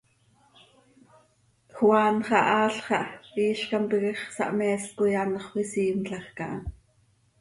Juan xah, aal xah, iizcam piquix, sahmees coi anxö isiimlajc aha.